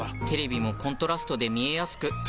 テレビもコントラストで見えやすく。